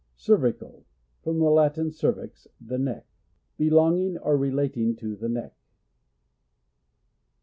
Cervical — From the Latin, cervix, the neck. Belonging or relating to the neck.